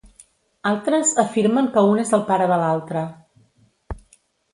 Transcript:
Altres afirmen que un és el pare de l'altre.